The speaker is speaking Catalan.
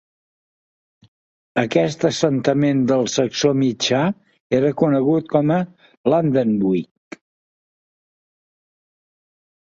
Aquest assentament del saxó mitjà era conegut com a Lundenwic.